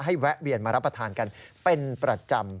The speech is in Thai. แวะเวียนมารับประทานกันเป็นประจำ